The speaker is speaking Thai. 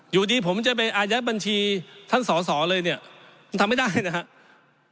อยู่ดีผมจะไปอายัดบัญชีท่านสอสอเลยเนี่ยมันทำไม่ได้นะครับ